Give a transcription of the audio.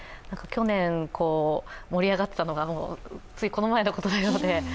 去年、盛り上がっていたのがついこの前のことのようで。